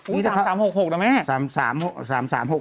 อ๕๓๖๖นะมะ